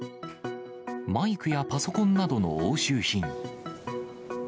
マイクやパソコンなどの押収品。